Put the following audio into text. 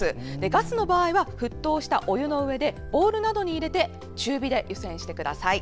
ガスの場合は沸騰したお湯の上でボウルなどに入れて中火で湯煎してください。